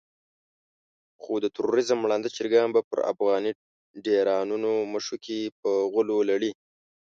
خو د تروريزم ړانده چرګان به پر افغاني ډيرانونو مښوکې په غولو لړي.